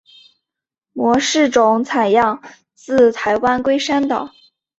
模式种采样自台湾龟山岛。